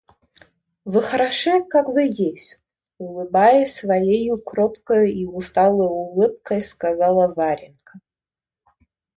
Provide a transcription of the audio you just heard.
Вы хороши, как вы есть, — улыбаясь своею кроткою и усталою улыбкой, сказала Варенька.